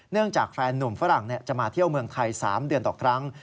จากแฟนนุ่มฝรั่งจะมาเที่ยวเมืองไทย๓เดือนต่อครั้ง